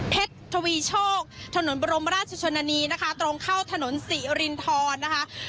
ทวีโชคถนนบรมราชชนนานีนะคะตรงเข้าถนนศรีรินทรนะคะ